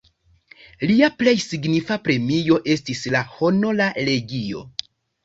Lia plej signifa premio estis la Honora legio.